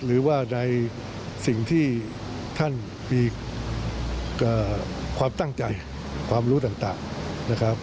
หรือว่าในสิ่งที่ท่านมีความตั้งใจความรู้ต่างนะครับ